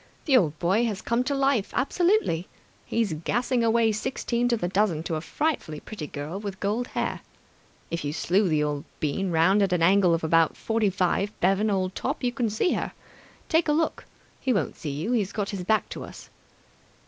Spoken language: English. The old boy has come to life absolutely! He's gassing away sixteen to the dozen to a frightfully pretty girl with gold hair. If you slew the old bean round at an angle of about forty five, Bevan, old top, you can see her. Take a look. He won't see you. He's got his back to us."